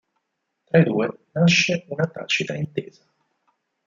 Tra i due nasce una tacita intesa.